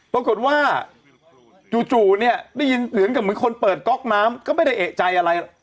ปรากฏว่าจู่เนี่ยได้ยินเหมือนกับเหมือนคนเปิดก๊อกน้ำก็ไม่ได้เอกใจอะไร